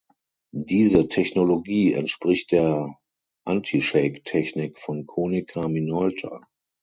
Diese Technologie entspricht der Antishake-Technik von Konica Minolta.